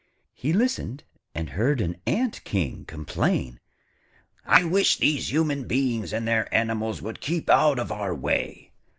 He listened, and heard an Ant King complain: 'I wish these human beings and their animals would keep out of our way.